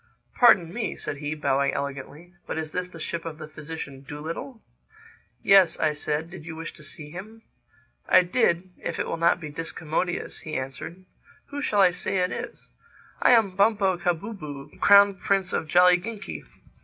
"Pardon me," said he, bowing elegantly, "but is this the ship of the physician Dolittle?" "Yes," I said, "did you wish to see him?" "I did—if it will not be discommodious," he answered. "Who shall I say it is?" "I am Bumpo Kahbooboo, Crown Prince of Jolliginki."